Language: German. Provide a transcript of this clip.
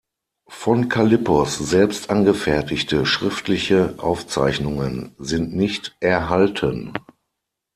Von Kallippos selbst angefertigte schriftlichen Aufzeichnungen sind nicht erhalten.